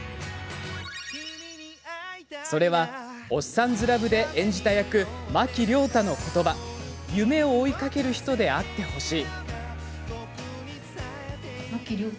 それは「おっさんずラブ」で演じた役牧凌太のことば「夢を追いかける人であってほしい」。